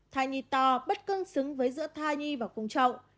thai nhi to bất cân xứng với giữa thai nhi và khung trậu